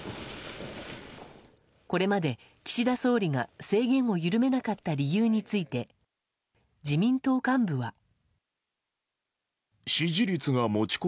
これまで岸田総理が制限を緩めなかった理由について自民党幹部は。